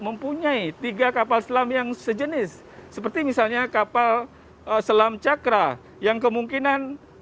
mempunyai tiga kapal selam yang sejenis seperti misalnya kapal selam cakra yang kemungkinan